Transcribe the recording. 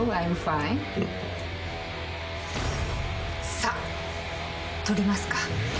さっ撮りますか。